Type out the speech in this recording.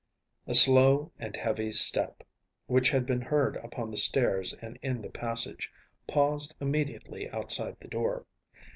‚ÄĚ A slow and heavy step, which had been heard upon the stairs and in the passage, paused immediately outside the door.